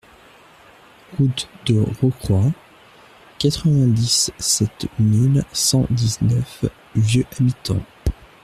Route de Rocroy, quatre-vingt-dix-sept mille cent dix-neuf Vieux-Habitants